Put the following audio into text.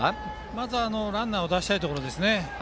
まずはランナーを出したいところですね。